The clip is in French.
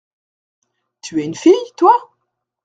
Tu es une fille, toi ?